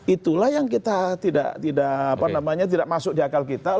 itulah yang kita tidak masuk di akal kita